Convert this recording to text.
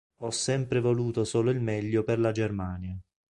Ho sempre voluto solo il meglio per la Germania.